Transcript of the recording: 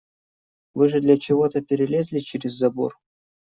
Вы же для чего-то перелезли через забор.